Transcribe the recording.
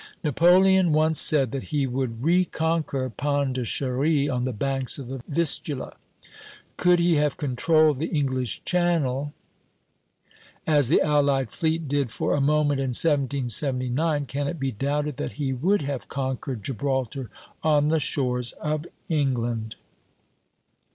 Napoleon once said that he would reconquer Pondicherry on the banks of the Vistula. Could he have controlled the English Channel, as the allied fleet did for a moment in 1779, can it be doubted that he would have conquered Gibraltar on the shores of England?